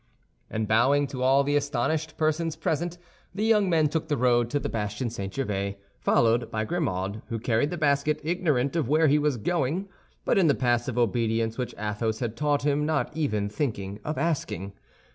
And bowing to all the astonished persons present, the young men took the road to the bastion St. Gervais, followed by Grimaud, who carried the basket, ignorant of where he was going but in the passive obedience which Athos had taught him not even thinking of asking.